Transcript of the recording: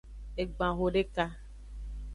Egban hodeka.